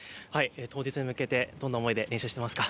当日に向けてどんな思いで練習していますか。